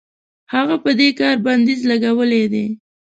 هغه په دې کار بندیز لګولی دی.